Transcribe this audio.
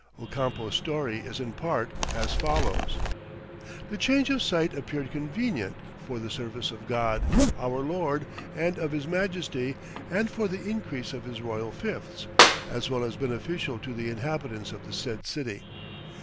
Ocampo's story is in part as follows: "The change of site appeared convenient for the service of God our Lord and of his Majesty, and for the increase of his royal fifths, as well as beneficial to the inhabitants of the said city.